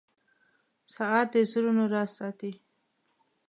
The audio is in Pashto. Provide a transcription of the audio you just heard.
• ساعت د زړونو راز ساتي.